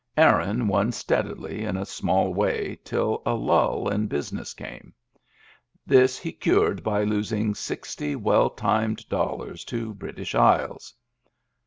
Aaron won steadily in a small way till a lull in business came ; this he cured by losing sixty well timed dollars to British Isles.